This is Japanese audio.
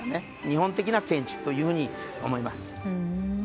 日本的な建築というふうに思います。